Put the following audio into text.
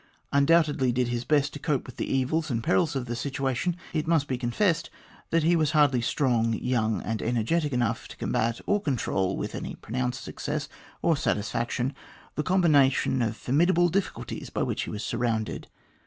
undoubtedly did his best to cope with the evils and perils of the situation, it must be confessed that he was hardly strong, young, and energetic enough to combat or control, with any pronounced success or satisfaction, the combination of formidable difficulties by which he was surrounded.